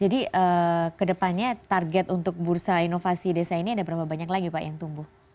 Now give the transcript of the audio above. jadi kedepannya target untuk bursa inovasi desa ini ada berapa banyak lagi pak yang tumbuh